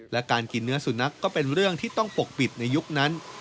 และการกินเนื้อสุนัขก็เป็นเรื่องที่ต้องปกปิดในยุคนั้น